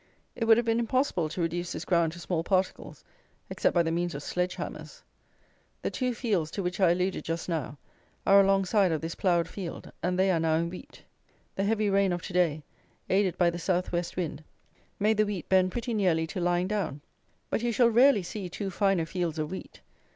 It would have been impossible to reduce this ground to small particles, except by the means of sledge hammers. The two fields, to which I alluded just now, are alongside of this ploughed field, and they are now in wheat. The heavy rain of to day, aided by the south west wind, made the wheat bend pretty nearly to lying down; but you shall rarely see two finer fields of wheat.